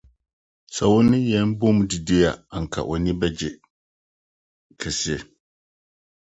Sɛ wo ne yɛn bom didi a, anka w'ani begye kɛse.